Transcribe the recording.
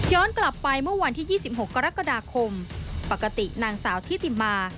ย้อนกลับไปเมื่อวันที่ยี่สิบหกกรกฎาคมปกตินางสาวที่ติมา